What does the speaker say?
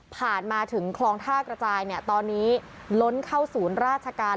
มาถึงคลองท่ากระจายเนี่ยตอนนี้ล้นเข้าศูนย์ราชการ